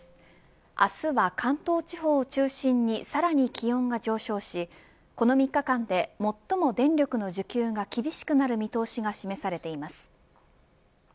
明日は関東地方を中心にさらに気温が上昇しこの３日間で最も電力の需給が厳しくなる見通しが示されています。